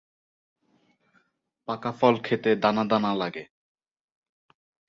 পাকা ফল খেতে দানা দানা লাগে।